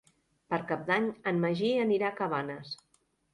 Per Cap d'Any en Magí anirà a Cabanes.